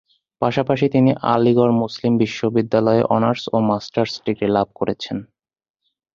পাশাপাশি তিনি আলিগড় মুসলিম বিশ্ববিদ্যালয়ে অনার্স ও মাস্টার্স ডিগ্রি লাভ করেছেন।